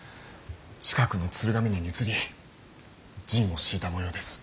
近くの鶴ヶ峰に移り陣を敷いたもようです。